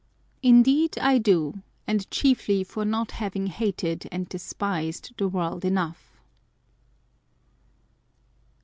Indeed I do ; and chiefly for not having hated and despised the world enough.